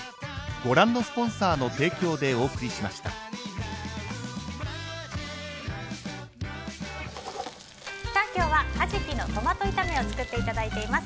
わかるぞ今日はカジキのトマト炒めを作っていただいています。